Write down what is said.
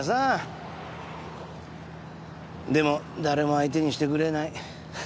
でも誰も相手にしてくれない。